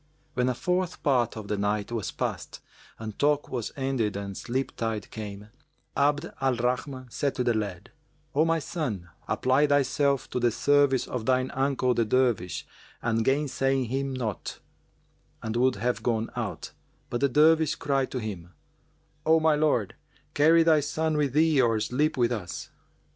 When a fourth part of the night was past and talk was ended and sleep tide came, Abd al Rahman said to the lad, "O my son, apply thyself to the service of thine uncle the Dervish and gainsay him not:" and would have gone out; but the Dervish cried to him, "O my lord, carry thy son with thee or sleep with us."